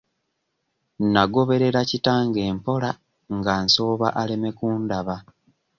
Nagoberera kitange mpola nga nsooba aleme kundaba.